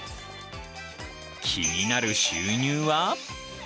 気になる収入は？